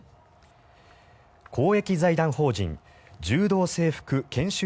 公益財団法人柔道整復研修